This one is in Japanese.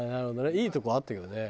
いいとこあったけどね。